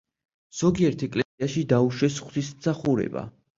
ზოგიერთ ეკლესიაში დაუშვეს ღვთისმსახურება.